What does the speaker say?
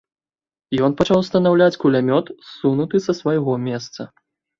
Ён пачаў устанаўляць кулямёт, ссунуты са свайго месца.